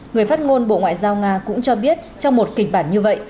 người phát ngôn bộ ngoại giao nga cũng cho biết trong một kịch bản như vậy